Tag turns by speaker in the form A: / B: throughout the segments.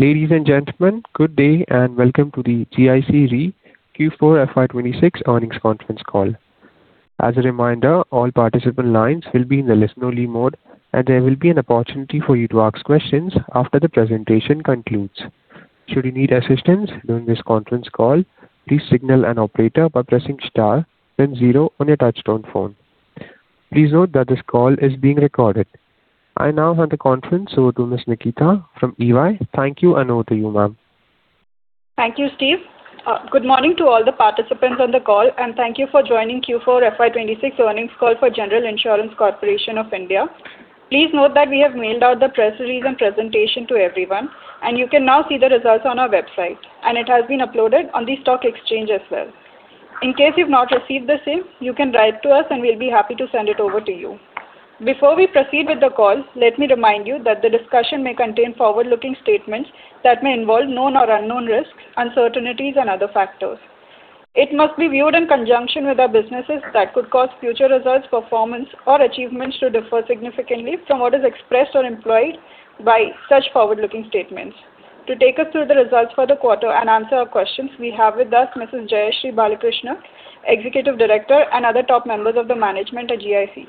A: Ladies and gentlemen, good day and welcome to the GIC Re Q4 FY 2026 earnings conference call. I now hand the conference over to Miss Nikita from EY. Thank you, and over to you, ma'am.
B: Thank you, Steve. Good morning to all the participants on the call. Thank you for joining Q4 FY 2026 earnings call for General Insurance Corporation of India. Please note that we have mailed out the press release and presentation to everyone, and you can now see the results on our website, and it has been uploaded on the stock exchange as well. In case you've not received the sane, you can write to us and we'll be happy to send it over to you. Before we proceed with the call, let me remind you that the discussion may contain forward-looking statements that may involve known or unknown risks, uncertainties, and other factors. It must be viewed in conjunction with our businesses that could cause future results, performance, or achievements to differ significantly from what is expressed or implied by such forward-looking statements. To take us through the results for the quarter and answer our questions, we have with us Mrs. Jayashri Balkrishna, Executive Director, and other top members of the management at GIC.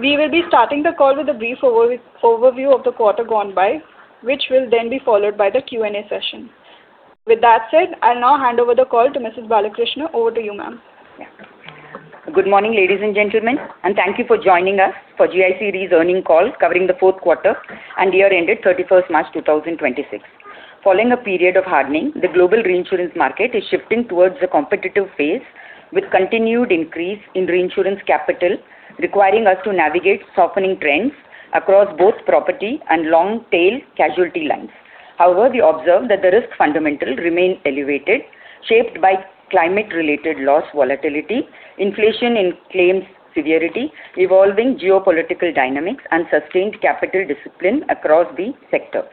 B: We will be starting the call with a brief overview of the quarter gone by, which will then be followed by the Q&A session. With that said, I'll now hand over the call to Mrs. Balkrishna. Over to you, ma'am.
C: Good morning, ladies and gentlemen, and thank you for joining us for GIC Re's earnings call covering the fourth quarter and year ended March 31st 2026. Following a period of hardening, the global reinsurance market is shifting towards a competitive phase with continued increase in reinsurance capital, requiring us to navigate softening trends across both property and long-tail casualty lines. However, we observe that the risk fundamentals remain elevated, shaped by climate-related loss volatility, inflation in claims severity, evolving geopolitical dynamics, and sustained capital discipline across the sector.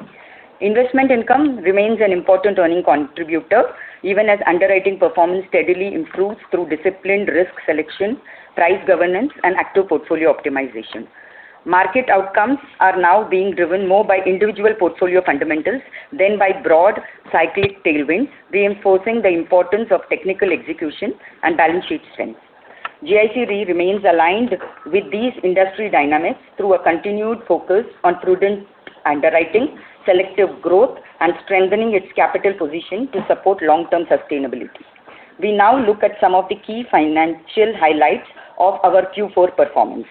C: Investment income remains an important earning contributor, even as underwriting performance steadily improves through disciplined risk selection, price governance, and active portfolio optimization. Market outcomes are now being driven more by individual portfolio fundamentals than by broad cyclic tailwinds, reinforcing the importance of technical execution and balance sheet strength. GIC Re remains aligned with these industry dynamics through a continued focus on prudent underwriting, selective growth, and strengthening its capital position to support long-term sustainability. We now look at some of the key financial highlights of our Q4 performance.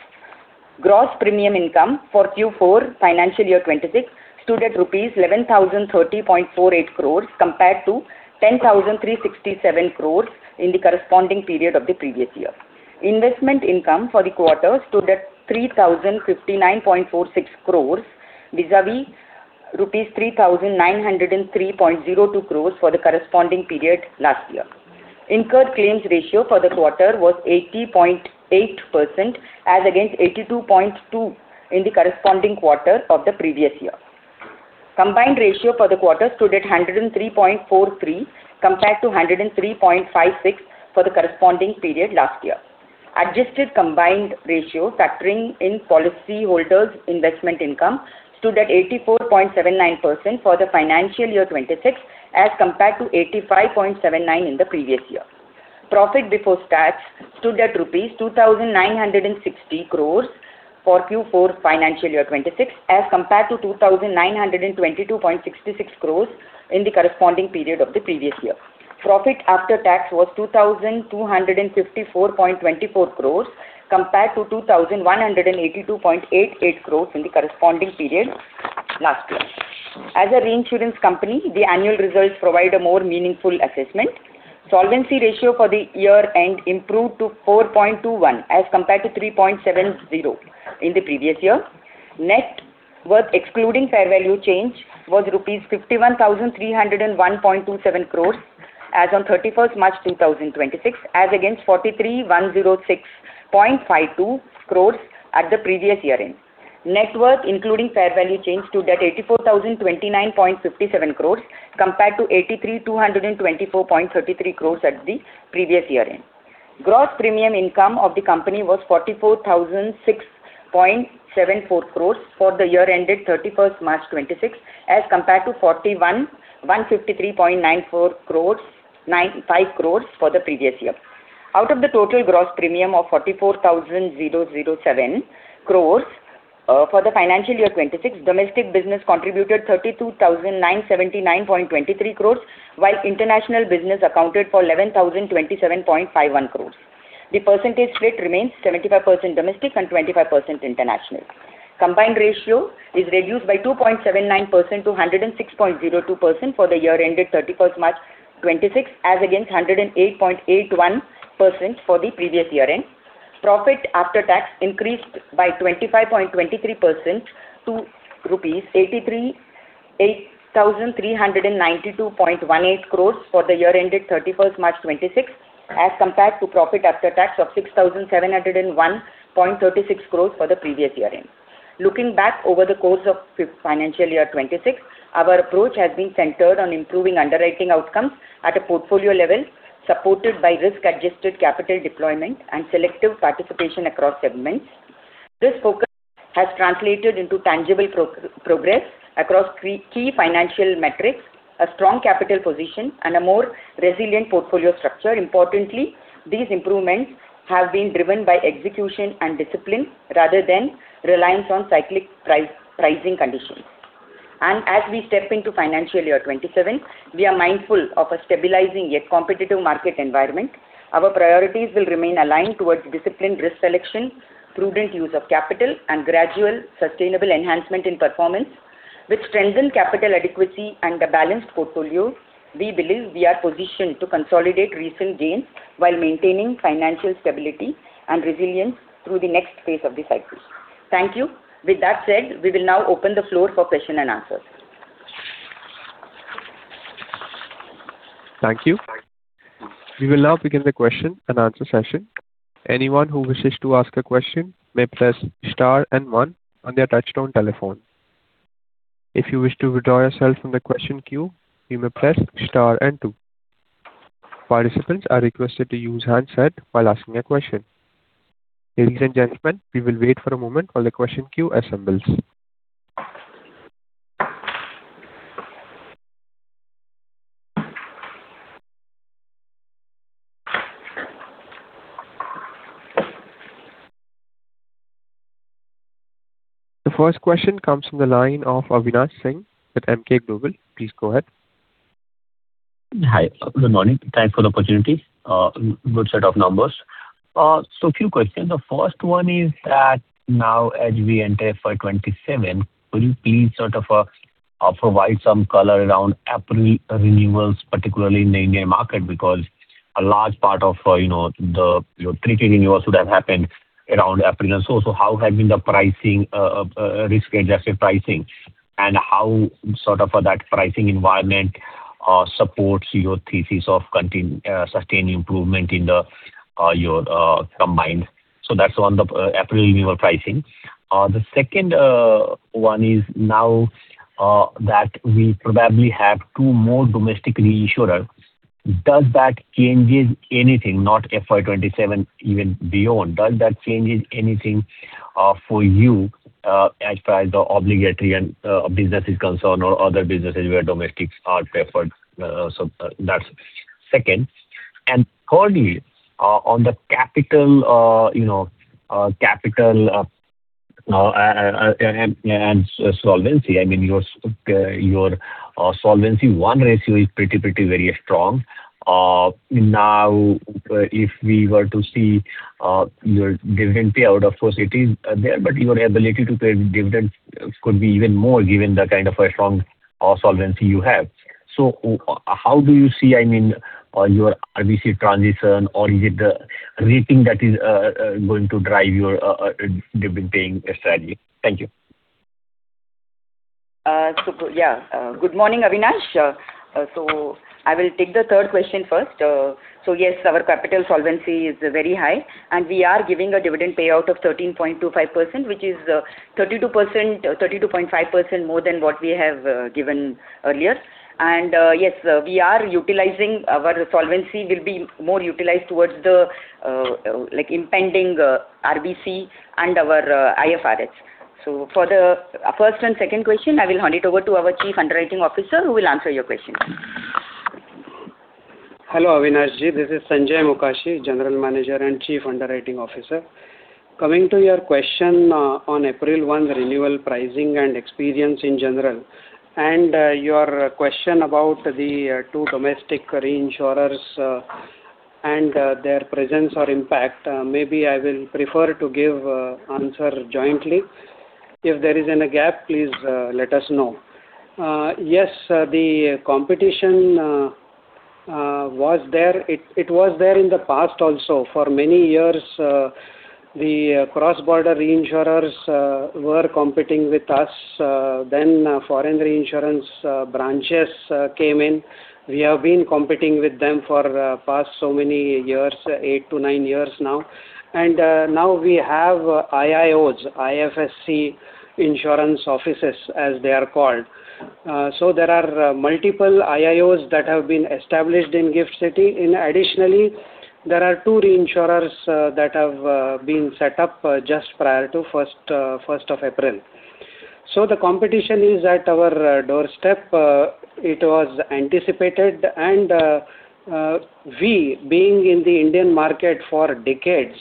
C: Gross premium income for Q4 FY 2026 stood at rupees 11,030.48 crores compared to 10,367 crores in the corresponding period of the previous year. Investment income for the quarter stood at 3,059.46 crores vis-à-vis rupees 3,903.02 crores for the corresponding period last year. Incurred claims ratio for the quarter was 80.8%, as against 82.2% in the corresponding quarter of the previous year. Combined ratio for the quarter stood at 103.43%, compared to 103.56% for the corresponding period last year. Adjusted combined ratio, factoring in policyholders' investment income, stood at 84.79% for the FY 2026 as compared to 85.79% in the previous year. Profit before tax stood at rupees 2,960 crore for Q4 FY 2026, as compared to 2,922.66 crore in the corresponding period of the previous year. Profit after tax was 2,254.24 crore compared to 2,182.88 crore in the corresponding period last year. As a reinsurance company, the annual results provide a more meaningful assessment. Solvency ratio for the year end improved to 4.21 as compared to 3.70 in the previous year. Net worth excluding fair value change was rupees 51,301.27 crore as on March 31st 2026, as against 43,106.52 crore at the previous year-end. Net worth, including fair value change, stood at 84,029.57 crore compared to 83,224.33 crore at the previous year-end. Gross premium income of the company was 44,006.74 crore for the year ended March 31st 2026, as compared to 41,153.95 crore for the previous year. Out of the total gross premium of 44,007 crore, for the financial year 2026, domestic business contributed 32,979.23 crore, while international business accounted for 11,027.51 crore. The percentage split remains 75% domestic and 25% international. Combined ratio is reduced by 2.79% to 106.02% for the year ended March 31st 2026, as against 108.81% for the previous year-end. Profit after tax increased by 25.23% to 8,392.18 crore for the year ended March 31st 2026, as compared to profit after tax of 6,701.36 crore for the previous year-end. Looking back over the course of financial year 2026, our approach has been centered on improving underwriting outcomes at a portfolio level, supported by risk-adjusted capital deployment and selective participation across segments. This focus has translated into tangible progress across key financial metrics, a strong capital position, and a more resilient portfolio structure. Importantly, these improvements have been been driven by execution and discipline rather than reliance on cyclic pricing conditions. As we step into financial year 2027, we are mindful of a stabilizing yet competitive market environment. Our priorities will remain aligned towards disciplined risk selection, prudent use of capital, and gradual sustainable enhancement in performance. With strengthened capital adequacy and a balanced portfolio, we believe we are positioned to consolidate recent gains while maintaining financial stability and resilience through the next phase of the cycle. Thank you. With that said, we will now open the floor for question and answers.
A: Thank you. We will now begin the question and answer session. The first question comes from the line of Avinash Singh with Emkay Global. Please go ahead.
D: Hi. Good morning. Thanks for the opportunity. Good set of numbers. Few questions. The first one is that now as we enter FY 2027, could you please provide some color around April renewals, particularly in the India market, because a large part of your treaty renewals would have happened around April. Also, how has been the risk-adjusted pricing, and how that pricing environment supports your thesis of sustained improvement in your combined? That's on the April renewal pricing. The second one is now that we probably have two more domestic reinsurers, does that change anything, not FY 2027, even beyond, does that change anything for you as far as the obligatory business is concerned or other businesses where domestics are preferred? That's second. Thirdly, on the capital and solvency, your Solvency I ratio is pretty very strong. If we were to see your dividend payout, of course it is there, but your ability to pay dividend could be even more given the kind of a strong solvency you have. How do you see your RBC transition, or is it the rating that is going to drive your dividend paying strategy? Thank you.
C: Good morning, Avinash. I will take the third question first. Yes, our capital solvency is very high, and we are giving a dividend payout of 13.25%, which is 32.5% more than what we have given earlier. Yes, our solvency will be more utilized towards the impending RBC and our IFRS. For the first and second question, I will hand it over to our Chief Underwriting Officer who will answer your questions.
E: Hello, Avinash. This is Sanjay Mokashi, General Manager and Chief Underwriting Officer. Coming to your question on April 1 renewal pricing and experience in general, and your question about the two domestic reinsurers and their presence or impact. Maybe I will prefer to give answer jointly. If there is any gap, please let us know. Yes, the competition was there. It was there in the past also. For many years, the cross-border reinsurers were competing with us. Foreign reinsurance branches came in. We have been competing with them for past so many years, eight to nine years now. Now we have IIOs, IFSC Insurance Offices, as they are called. There are multiple IIOs that have been established in GIFT City. Additionally, there are two reinsurers that have been set up just prior to 1st of April. The competition is at our doorstep. It was anticipated. We, being in the Indian market for decades,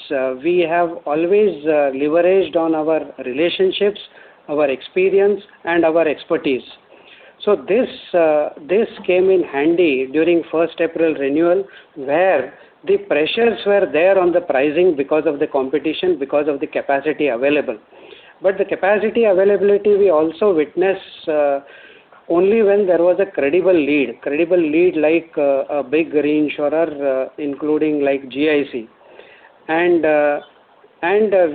E: we have always leveraged on our relationships, our experience, and our expertise. This came in handy during 1st April renewal where the pressures were there on the pricing because of the competition, because of the capacity available. The capacity availability we also witness only when there was a credible lead like a big reinsurer including GIC.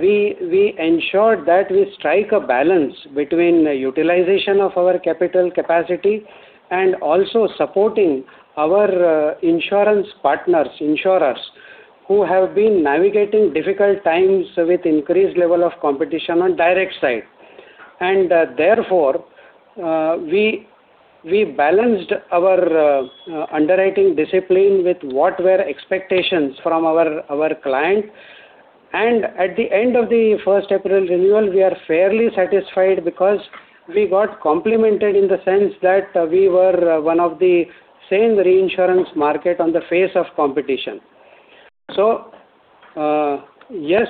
E: We ensured that we strike a balance between utilization of our capital capacity and also supporting our insurance partners, insurers, who have been navigating difficult times with increased level of competition on direct side. Therefore, we balanced our underwriting discipline with what were expectations from our client. At the end of the first April renewal, we are fairly satisfied because we got complimented in the sense that we were one of the same reinsurance market on the face of competition. Yes,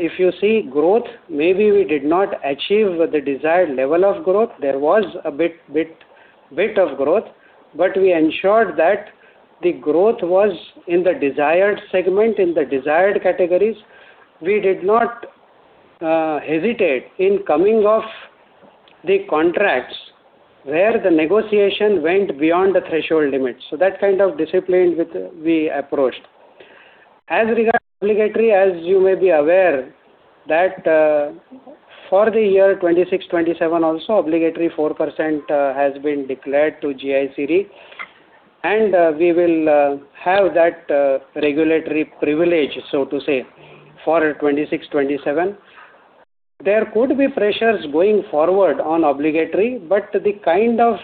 E: if you see growth, maybe we did not achieve the desired level of growth. There was a bit of growth, but we ensured that the growth was in the desired segment, in the desired categories. We did not hesitate in coming off the contracts where the negotiation went beyond the threshold limits. That kind of discipline we approached. As regard obligatory, as you may be aware that for the year 2026, 2027, also, obligatory 4% has been declared to GIC Re. We will have that regulatory privilege, so to say, for 2026, 2027. There could be pressures going forward on obligatory, but the kind of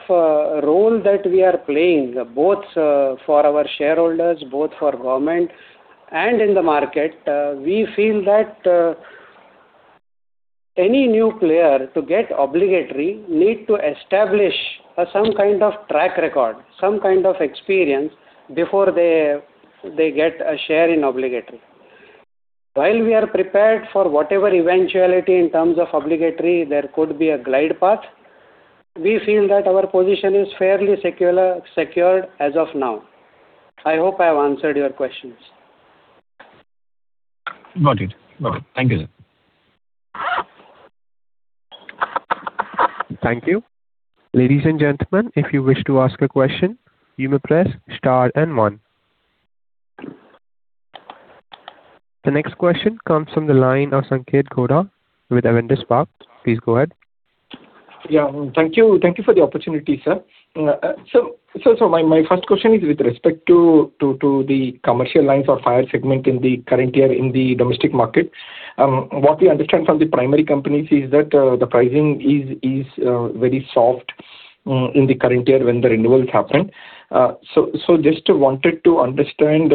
E: role that we are playing, both for our shareholders, both for government and in the market, we feel that any new player, to get obligatory, need to establish some kind of track record, some kind of experience before they get a share in obligatory. While we are prepared for whatever eventuality in terms of obligatory, there could be a glide path. We feel that our position is fairly secured as of now. I hope I have answered your questions.
D: Got it. Okay. Thank you, sir.
A: Thank you. Ladies and gentlemen, if you wish to ask a question, you may press star and one. The next question comes from the line of Sanketh Godha with Avendus Spark. Please go ahead.
F: Yeah. Thank you for the opportunity, sir. My first question is with respect to the commercial lines or fire segment in the current year in the domestic market. What we understand from the primary companies is that the pricing is very soft in the current year when the renewals happen. Just wanted to understand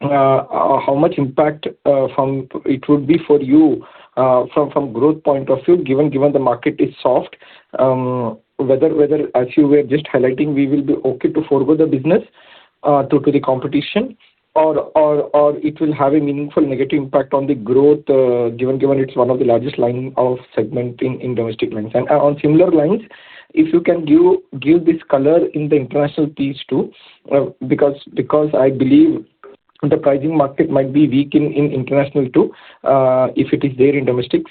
F: how much impact it would be for you from growth point of view, given the market is soft, whether, as you were just highlighting, we will be okay to forego the business due to the competition or it will have a meaningful negative impact on the growth, given it's one of the largest line of segment in domestic lines. On similar lines, if you can give this color in the international piece, too, because I believe the pricing market might be weak in international, too, if it is there in domestic.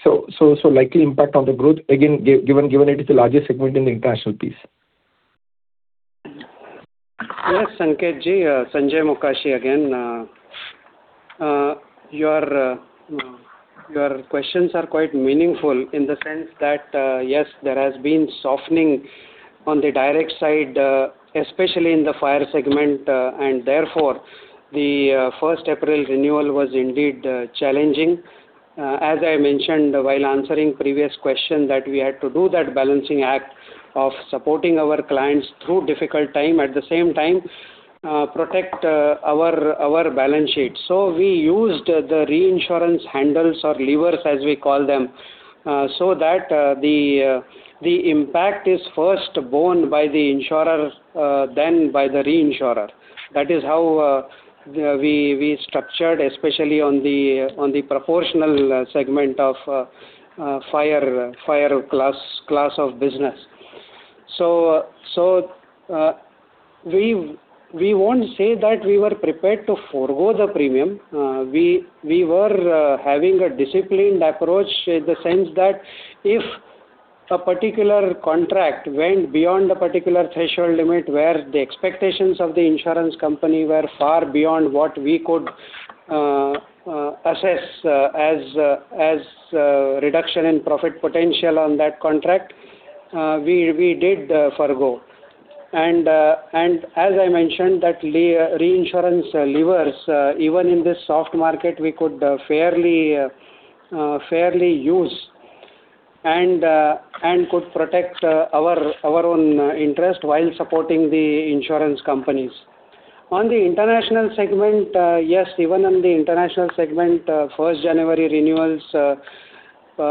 F: Likely impact on the growth, again, given it is the largest segment in the international piece.
E: Yes, Sanketh. Sanjay Mokashi again. Your questions are quite meaningful in the sense that, yes, there has been softening on the direct side, especially in the fire segment, and therefore, the first April renewal was indeed challenging. As I mentioned while answering previous question that we had to do that balancing act of supporting our clients through difficult time, at the same time, protect our balance sheet. We used the reinsurance handles or levers, as we call them, so that the impact is first borne by the insurer then by the reinsurer. That is how we structured, especially on the proportional segment of fire class of business. We won't say that we were prepared to forego the premium. We were having a disciplined approach in the sense that if a particular contract went beyond a particular threshold limit where the expectations of the insurance company were far beyond what we could assess as reduction in profit potential on that contract, we did forego. As I mentioned, that reinsurance levers, even in this soft market, we could fairly use and could protect our own interest while supporting the insurance companies. On the international segment, yes, even on the international segment, first January renewals,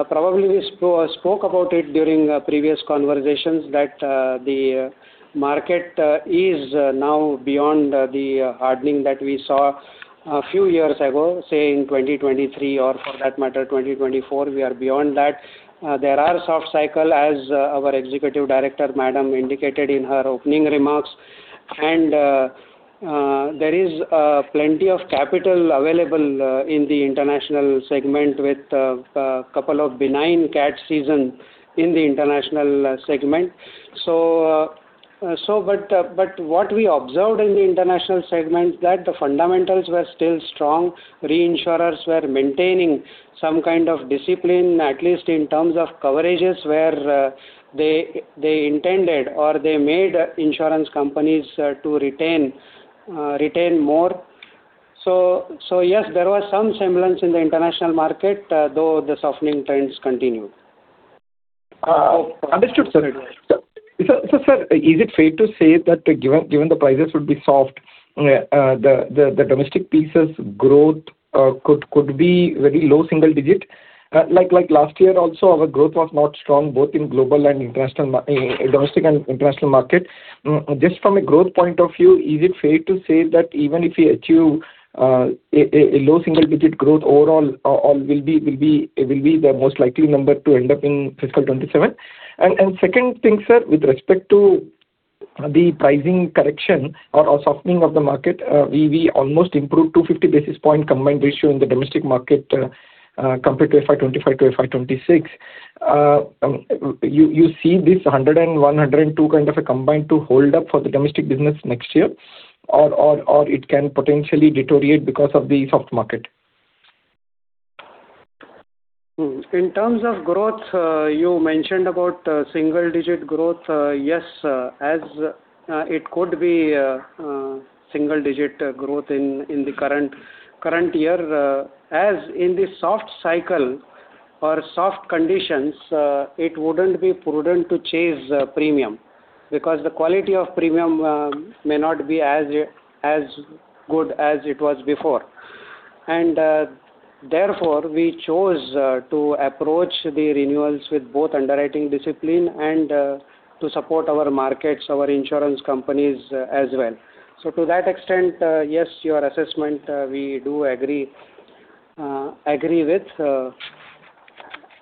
E: probably we spoke about it during previous conversations that the market is now beyond the hardening that we saw a few years ago, say in 2023 or for that matter, 2024. We are beyond that. There are soft cycle as our Executive Director madam indicated in her opening remarks, there is plenty of capital available in the international segment with a couple of benign CAT season in the international segment. What we observed in the international segment that the fundamentals were still strong. Reinsurers were maintaining some kind of discipline, at least in terms of coverages where they intended or they made insurance companies to retain more. Yes, there was some semblance in the international market, though the softening trends continued.
F: Understood, sir. Sir, is it fair to say that given the prices would be soft, the domestic piece's growth could be very low single-digit? Like last year also, our growth was not strong, both in domestic and international market. Just from a growth point of view, is it fair to say that even if we achieve a low single-digit growth overall, it will be the most likely number to end up in fiscal 2027? Second thing, sir, with respect to the pricing correction or softening of the market, we almost improved 250 basis point combined ratio in the domestic market compared to FY 2025 to FY 2026. You see this 101%, 102% kind of a combined to hold up for the domestic business next year, or it can potentially deteriorate because of the soft market.
E: In terms of growth, you mentioned about single-digit growth. Yes, as it could be single-digit growth in the current year. As in the soft cycle or soft conditions, it wouldn't be prudent to chase premium because the quality of premium may not be as good as it was before. Therefore, we chose to approach the renewals with both underwriting discipline and to support our markets, our insurance companies as well. To that extent yes, your assessment, we do agree with.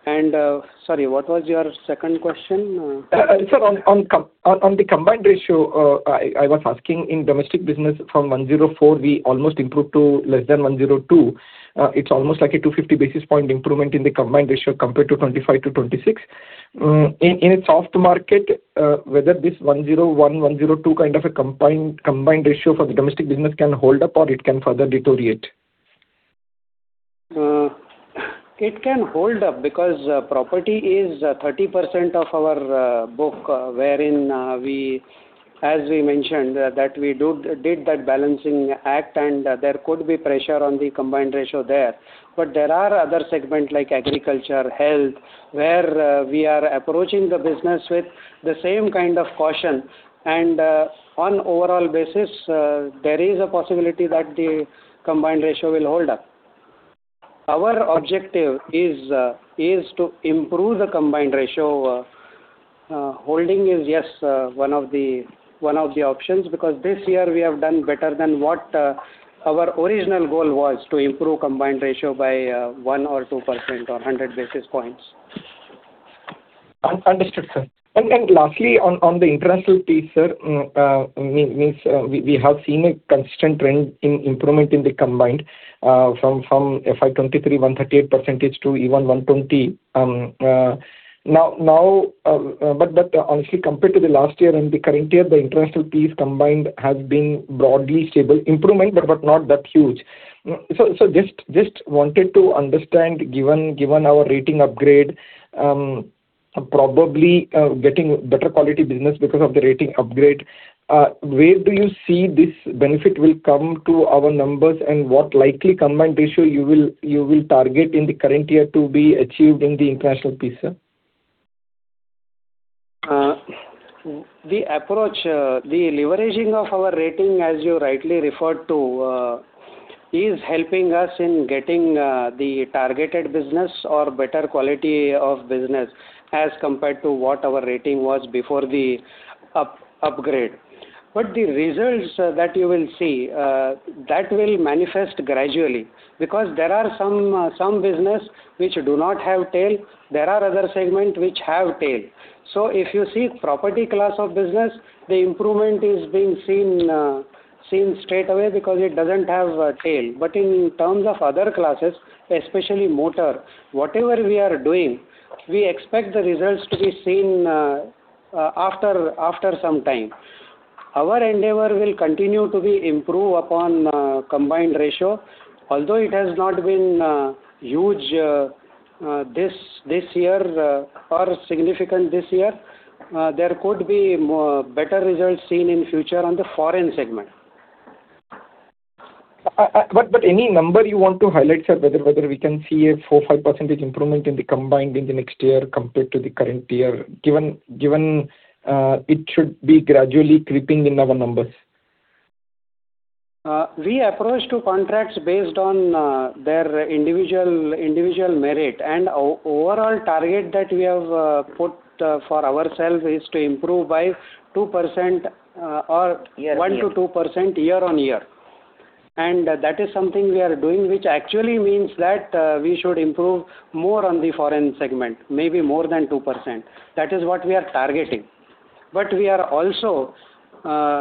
E: Sorry, what was your second question?
F: Sir, on the combined ratio, I was asking in domestic business from 104%, we almost improved to less than 102%. It's almost like a 250 basis point improvement in the combined ratio compared to 2025 to 2026. In a soft market, whether this 101%, 102% kind of a combined ratio for the domestic business can hold up or it can further deteriorate?
E: It can hold up because property is 30% of our book, wherein, as we mentioned, that we did that balancing act and there could be pressure on the combined ratio there. There are other segments like agriculture, health, where we are approaching the business with the same kind of caution. On overall basis, there is a possibility that the combined ratio will hold up. Our objective is to improve the combined ratio. Holding is, yes, one of the options because this year we have done better than what our original goal was, to improve combined ratio by 1% or 2% or 100 basis points.
F: Lastly, on the international piece, sir, means we have seen a constant trend in improvement in the combined from FY 2023 138% to even 120%. Actually, compared to the last year and the current year, the international piece combined has been broadly stable. Improvement but not that huge. Just wanted to understand, given our rating upgrade, probably getting better quality business because of the rating upgrade, where do you see this benefit will come to our numbers and what likely combined ratio you will target in the current year to be achieved in the international piece, sir?
E: The leveraging of our rating, as you rightly referred to, is helping us in getting the targeted business or better quality of business as compared to what our A- rating was before the upgrade. The results that you will see, that will manifest gradually because there are some business which do not have tail. There are other segment which have tail. If you see property class of business, the improvement is being seen straight away because it doesn't have a tail. In terms of other classes, especially motor, whatever we are doing, we expect the results to be seen after some time. Our endeavor will continue to be improve upon combined ratio. Although it has not been huge this year or significant this year, there could be better results seen in future on the foreign segment.
F: Any number you want to highlight, sir? Whether we can see a four, five percent improvement in the combined in the next year compared to the current year, given it should be gradually creeping in our numbers?
E: We approach to contracts based on their individual merit, and overall target that we have put for ourself is to improve by 2% or 1%-2% year on year. That is something we are doing, which actually means that we should improve more on the foreign segment, maybe more than 2%. That is what we are targeting. We are also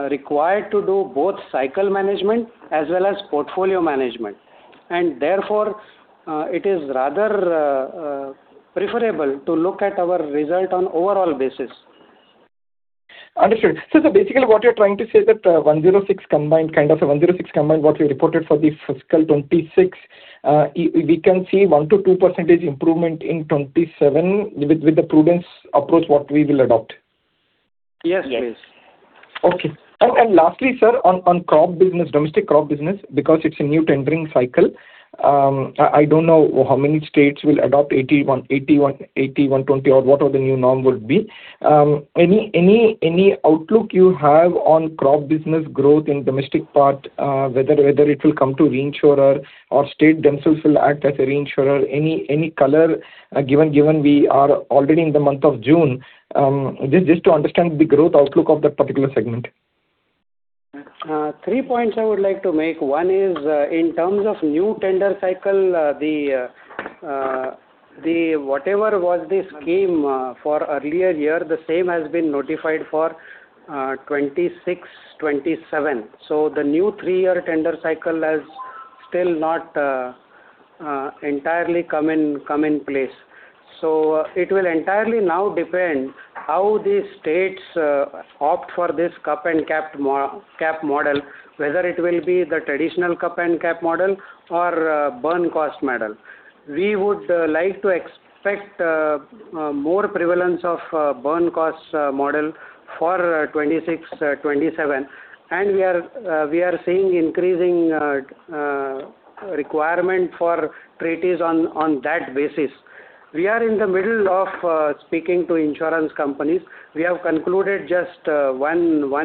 E: required to do both cycle management as well as portfolio management. Therefore, it is rather preferable to look at our result on overall basis.
F: Understood. Basically what you're trying to say that 106 combined, what we reported for FY 2026, we can see 1%-2% improvement in 2027 with the prudence approach what we will adopt.
E: Yes, please.
F: Okay. Lastly, sir, on domestic crop business, because it's a new tendering cycle, I don't know how many states will adopt 80, 120, or what the new norm would be. Any outlook you have on crop business growth in domestic part, whether it will come to reinsurer or state themselves will act as a reinsurer? Any color, given we are already in the month of June, just to understand the growth outlook of that particular segment?
E: Three points I would like to make. One is, in terms of new tender cycle, whatever was the scheme for earlier year, the same has been notified for 2026, 2027. The new three-year tender cycle has still not entirely come in place. It will entirely now depend how the states opt for this cap model, whether it will be the traditional cap model or burning cost model. We would like to expect more prevalence of burning cost model for 2026, 2027. We are seeing increasing requirement for treaties on that basis. We are in the middle of speaking to insurance companies. We have concluded just one or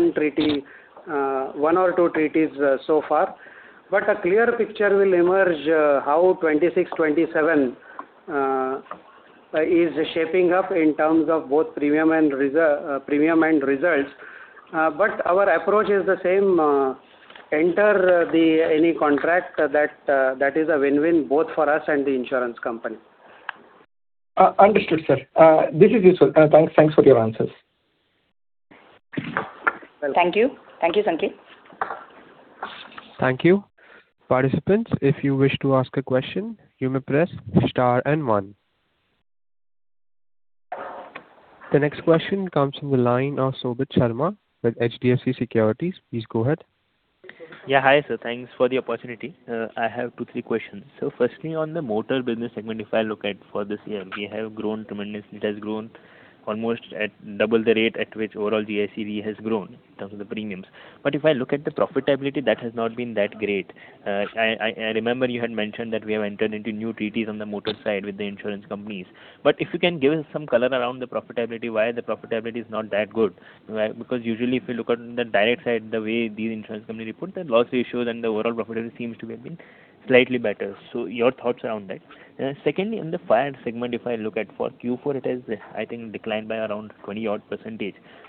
E: two treaties so far. A clear picture will emerge how 2026, 2027 is shaping up in terms of both premium and results. Our approach is the same. Enter any contract that is a win-win both for us and the insurance company.
F: Understood, sir. This is useful. Thanks for your answers.
C: Thank you. Thank you, Sanketh.
A: Thank you. Participants, if you wish to ask a question, you may press star and one. The next question comes from the line of Shobhit Sharma with HDFC Securities. Please go ahead.
G: Yeah. Hi, sir. Thanks for the opportunity. I have two, three questions. Firstly, on the motor business segment, if I look at for this year, we have grown tremendously. It has grown almost at double the rate at which overall GIC has grown in terms of the premiums. If I look at the profitability, that has not been that great. I remember you had mentioned that we have entered into new treaties on the motor side with the insurance companies. If you can give us some color around the profitability, why the profitability is not that good. Because usually, if you look on the direct side, the way these insurance companies report their loss ratios and the overall profitability seems to have been slightly better. Your thoughts around that. Secondly, in the fire segment, if I look at for Q4, it has, I think, declined by around 20-odd%.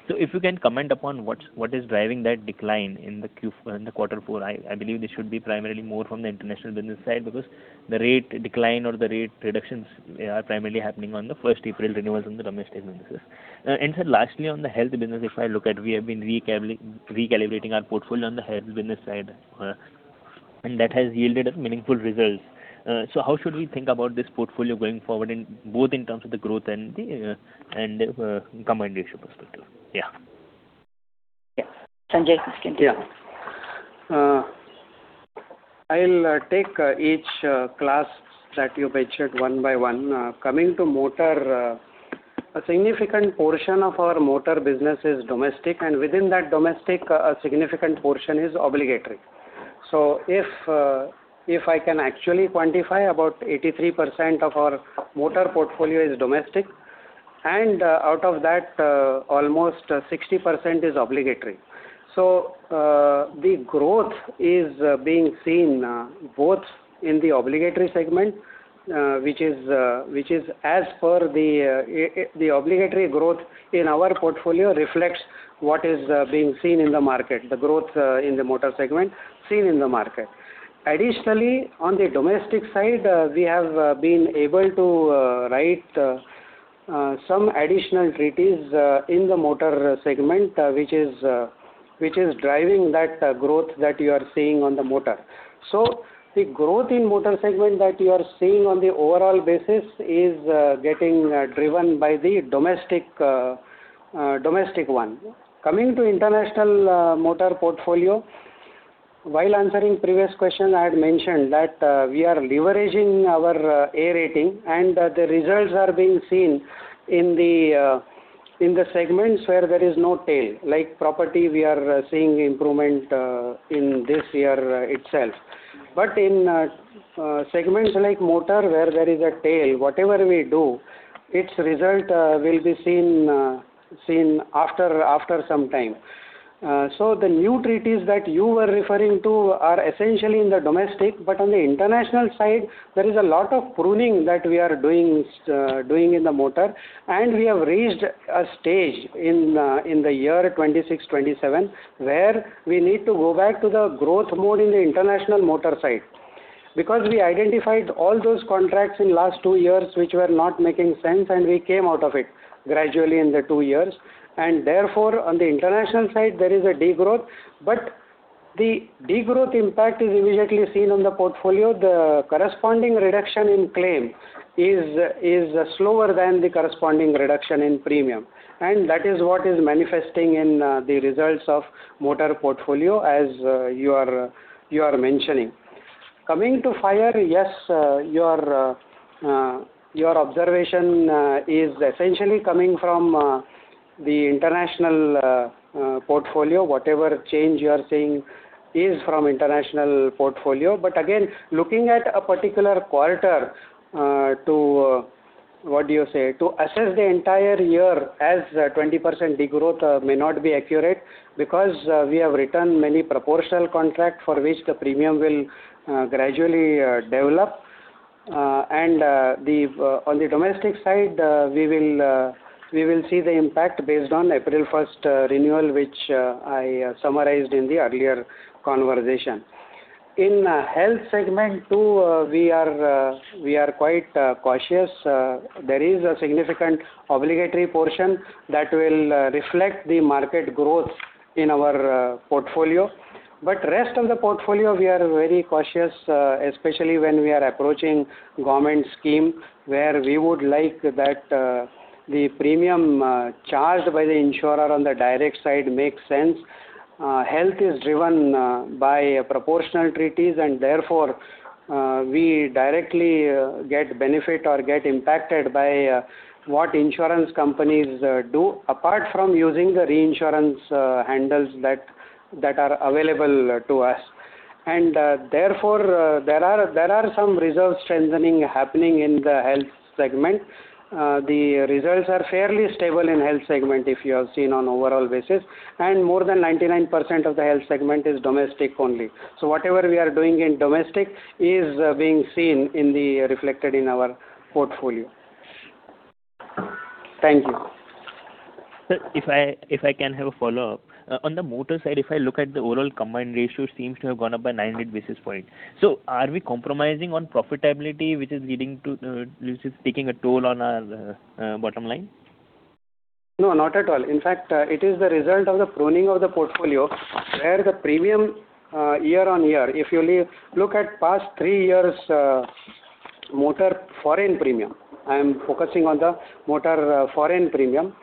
G: If you can comment upon what is driving that decline in the Q4. I believe this should be primarily more from the international business side because the rate decline or the rate reductions are primarily happening on the first April renewals on the domestic businesses. Sir, lastly, on the health business, if I look at, we have been recalibrating our portfolio on the health business side, and that has yielded us meaningful results. How should we think about this portfolio going forward, both in terms of the growth and the combined ratio perspective?
C: Yeah. Sanjay can take it.
E: Yeah. I'll take each class that you pictured one by one. Coming to motor, a significant portion of our motor business is domestic, and within that domestic, a significant portion is obligatory. If I can actually quantify, about 83% of our motor portfolio is domestic, and out of that, almost 60% is obligatory. The growth is being seen both in the obligatory segment. The obligatory growth in our portfolio reflects what is being seen in the market, the growth in the motor segment seen in the market. Additionally, on the domestic side, we have been able to write some additional treaties in the motor segment, which is driving that growth that you are seeing on the motor. The growth in motor segment that you are seeing on the overall basis is getting driven by the domestic one. Coming to international motor portfolio, while answering previous question, I had mentioned that we are leveraging our A rating, and the results are being seen in the segments where there is no tail. Like property, we are seeing improvement in this year itself. In segments like motor where there is a tail, whatever we do, its result will be seen after some time. The new treaties that you were referring to are essentially in the domestic, but on the international side, there is a lot of pruning that we are doing in the motor, and we have reached a stage in the year 2026, 2027, where we need to go back to the growth mode in the international motor side. We identified all those contracts in last two years which were not making sense, and we came out of it gradually in the two years. Therefore, on the international side, there is a degrowth, but the degrowth impact is immediately seen on the portfolio. The corresponding reduction in claim is slower than the corresponding reduction in premium, and that is what is manifesting in the results of motor portfolio as you are mentioning. Coming to fire, yes, your observation is essentially coming from the international portfolio. Whatever change you are seeing is from international portfolio. Again, looking at a particular quarter to, what do you say, to assess the entire year as 20% degrowth may not be accurate because we have written many proportional contract for which the premium will gradually develop. On the domestic side, we will see the impact based on April 1st renewal, which I summarized in the earlier conversation. In health segment, too, we are quite cautious. There is a significant obligatory portion that will reflect the market growth in our portfolio. Rest of the portfolio, we are very cautious, especially when we are approaching government scheme, where we would like that the premium charged by the insurer on the direct side makes sense. Health is driven by proportional treaties and therefore we directly get benefit or get impacted by what insurance companies do, apart from using the reinsurance handles that are available to us. Therefore, there are some reserve strengthening happening in the health segment. The reserves are fairly stable in health segment, if you have seen on overall basis, and more than 99% of the health segment is domestic only. Whatever we are doing in domestic is being seen reflected in our portfolio. Thank you.
G: Sir, if I can have a follow-up. On the motor side, if I look at the overall combined ratio, seems to have gone up by 980 basis points. Are we compromising on profitability, which is taking a toll on our bottom line?
E: No, not at all. In fact, it is the result of the pruning of the portfolio, where the premium year-on-year, if you look at past three years motor foreign premium, I am focusing on the motor foreign premium,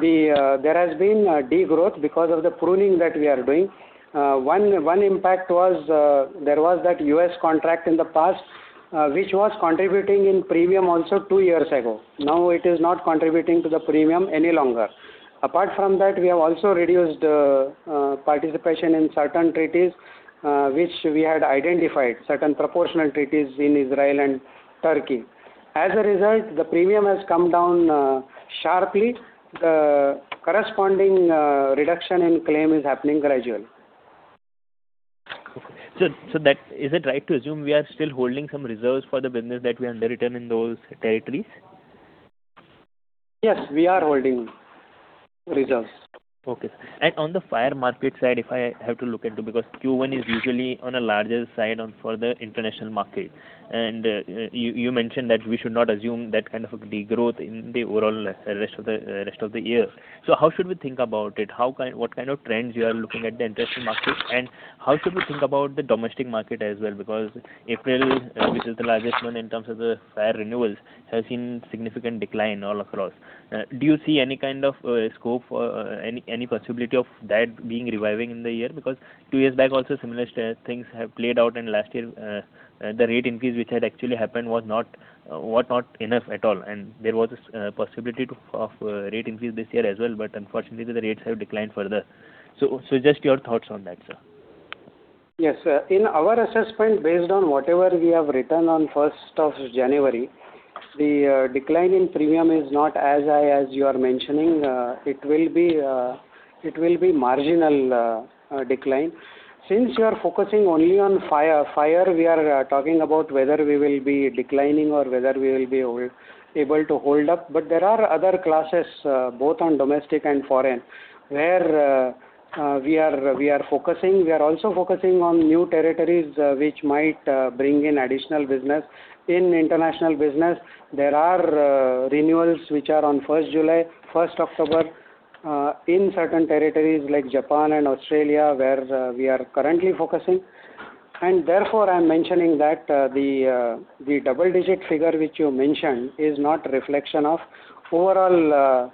E: there has been a degrowth because of the pruning that we are doing. One impact was there was that U.S. contract in the past, which was contributing in premium also 2 years ago. Now it is not contributing to the premium any longer. Apart from that, we have also reduced participation in certain treaties, which we had identified, certain proportional treaties in Israel and Turkey. As a result, the premium has come down sharply. The corresponding reduction in claim is happening gradually.
G: Okay. Is it right to assume we are still holding some reserves for the business that we underwritten in those territories?
E: Yes, we are holding reserves.
G: Okay. On the fire market side, if I have to look into, because Q1 is usually on a larger side for the international market. You mentioned that we should not assume that kind of a degrowth in the overall rest of the year. How should we think about it? What kind of trends you are looking at the international market, and how should we think about the domestic market as well? April, which is the largest one in terms of the fire renewals, has seen significant decline all across. Do you see any kind of scope or any possibility of that being reviving in the year? Two years back also similar things have played out, and last year, the rate increase which had actually happened was not enough at all. There was a possibility of rate increase this year as well, but unfortunately, the rates have declined further. Just your thoughts on that, sir.
E: Yes. In our assessment, based on whatever we have written on 1st of January, the decline in premium is not as high as you are mentioning. It will be marginal decline. Since you are focusing only on fire we are talking about whether we will be declining or whether we will be able to hold up. There are other classes, both on domestic and foreign, where we are focusing. We are also focusing on new territories, which might bring in additional business. In international business, there are renewals which are on 1st July, 1st October, in certain territories like Japan and Australia, where we are currently focusing. Therefore, I am mentioning that the double-digit figure which you mentioned is not reflection of overall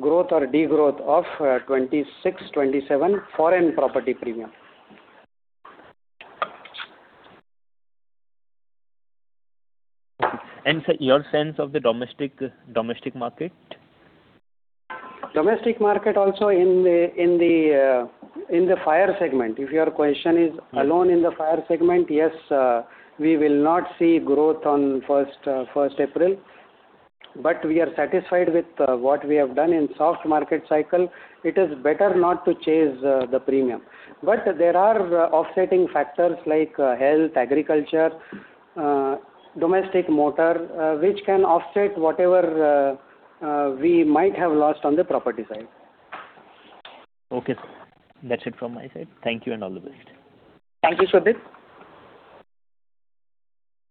E: growth or degrowth of FY 2026, FY 2027 foreign property premium.
G: Sir, your sense of the domestic market?
E: Domestic market also in the fire segment. If your question is alone in the fire segment, yes, we will not see growth on 1st April. We are satisfied with what we have done. In soft market cycle, it is better not to chase the premium. There are offsetting factors like health, agriculture, domestic motor, which can offset whatever we might have lost on the property side.
G: Okay, sir. That's it from my side. Thank you and all the best.
E: Thank you, Shobhit.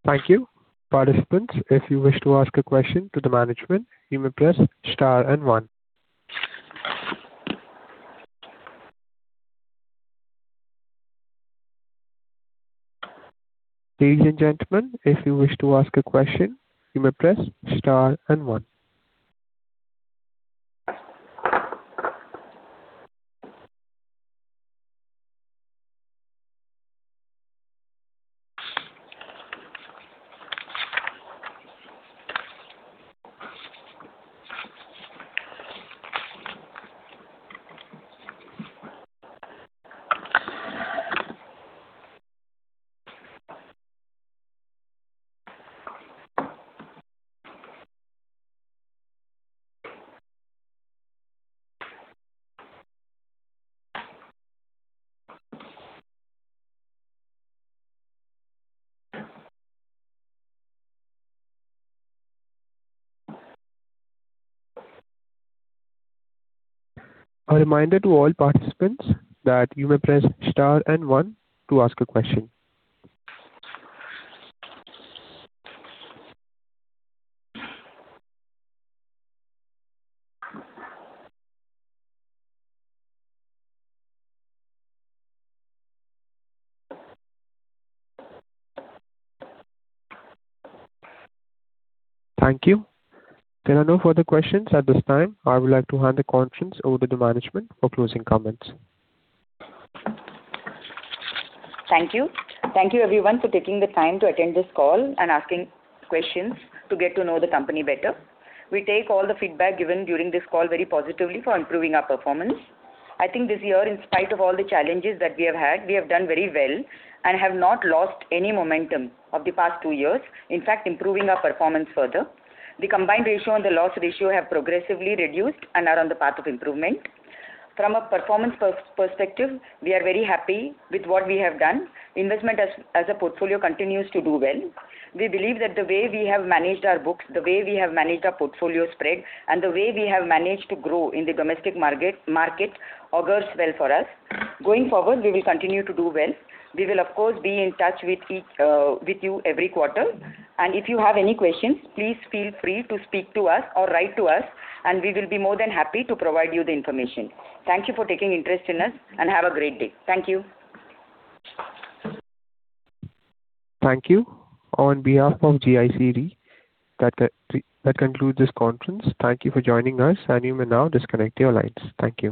A: Thank you. Participants, if you wish to ask a question to the management, you may press star one. Ladies and gentlemen, if you wish to ask a question, you may press star one. A reminder to all participants that you may press star one to ask a question. Thank you. There are no further questions at this time. I would like to hand the conference over to management for closing comments.
C: Thank you. Thank you everyone for taking the time to attend this call and asking questions to get to know the company better. We take all the feedback given during this call very positively for improving our performance. I think this year, in spite of all the challenges that we have had, we have done very well and have not lost any momentum of the past two years, in fact, improving our performance further. The combined ratio and the loss ratio have progressively reduced and are on the path of improvement. From a performance perspective, we are very happy with what we have done. Investment as a portfolio continues to do well. We believe that the way we have managed our books, the way we have managed our portfolio spread, and the way we have managed to grow in the domestic market augurs well for us. Going forward, we will continue to do well. We will, of course, be in touch with you every quarter. If you have any questions, please feel free to speak to us or write to us and we will be more than happy to provide you the information. Thank you for taking interest in us and have a great day. Thank you.
A: Thank you. On behalf of GIC, that concludes this conference. Thank you for joining us, and you may now disconnect your lines. Thank you.